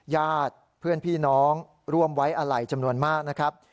ญาติเพื่อนพี่น้องร่วมไว้อะไรจำนวนมากนะครับ